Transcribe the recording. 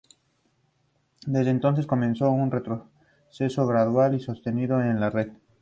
Desde entonces, comenzó un retroceso gradual y sostenido en la red.